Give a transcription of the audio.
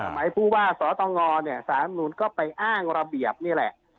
หมายคือว่าศตะงอนก็ไปอ้างระเบียบนี่แหละ